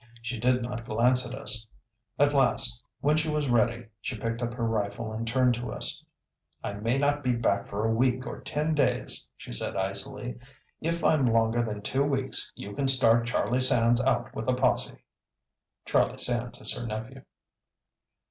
She did not glance at us. At the last, when she was ready, she picked up her rifle and turned to us. "I may not be back for a week or ten days," she said icily. "If I'm longer than two weeks you can start Charlie Sands out with a posse." Charlie Sands is her nephew.